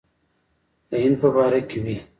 د هند په باره کې وې.